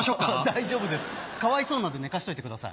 大丈夫ですかわいそうなんで寝かしといてください。